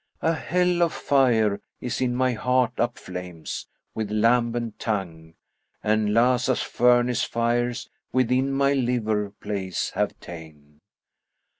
A hell of fire is in my heart upflames with lambent tongue * And Laza's furnace fires within my liver place have ta'en.